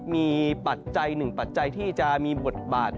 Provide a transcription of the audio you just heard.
มีปัจจัยหนึ่งปัจจัยที่จะมีบทบาท